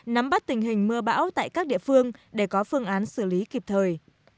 nắm bắt tình hình mưa bão tại các địa phương để có phương án xử lý kịp thời